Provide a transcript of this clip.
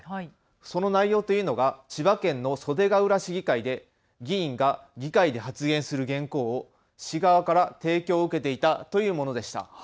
その内容というのが千葉県の袖ケ浦市議会で議員が議会で発言する原稿を市側から提供を受けていたというものでした。